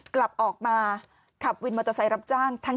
กลับออกมาขับวินรถจักรรับจ้าง